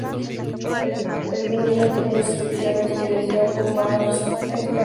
El vinilo tenía inscripciones que decían "Fumar es tan natural como respirar.